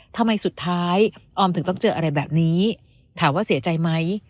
ทำไมสุดท้ายออมถึงต้องเจออะไรแบบนี้ถามว่าเสียใจไหม